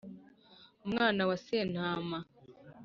Umwana wa Sentama